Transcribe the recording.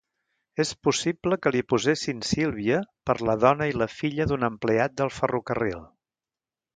És possible que li posessin Sílvia per la dona i la filla d'un empleat del ferrocarril.